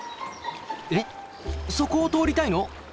えっそこを通りたいの！？